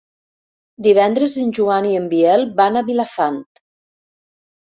Divendres en Joan i en Biel van a Vilafant.